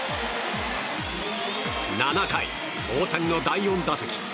７回、大谷の第４打席。